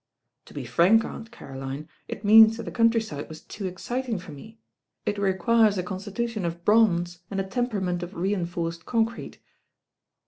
"To be frank. Aunt Cari)line, it means that the country side was too exciting for me. It requires a constitution of bronze and a temperament of re inforced concrete."